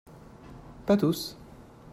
Pas tous.